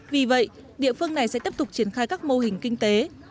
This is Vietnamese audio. vì vậy địa phương này sẽ tiếp tục triển khai các mô hình kinh tế